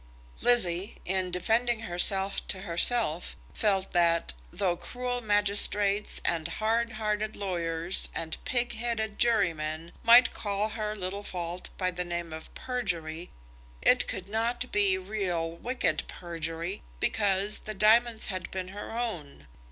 Lizzie, in defending herself to herself, felt that, though cruel magistrates and hard hearted lawyers and pig headed jurymen might call her little fault by the name of perjury, it could not be real, wicked perjury, because the diamonds had been her own.